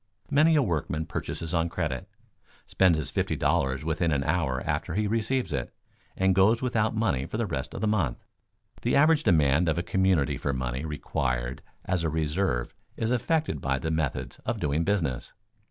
Many a workman purchases on credit, spends his fifty dollars within an hour after he receives it, and goes without money for the rest of the month. The average demand of a community for money required as a reserve is affected by the methods of doing business.